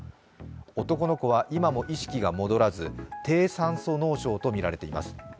男の子は今も意識が戻らず低酸素脳症とみられています。